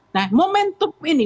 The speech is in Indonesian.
nah momentum ini